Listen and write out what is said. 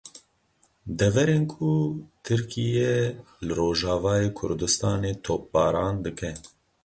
Deverên ku Tirkiye li Rojavayê Kurdistanê topbaran dike.